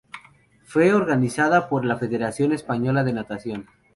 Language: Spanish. Fue organizada por la Federación Española de Natación.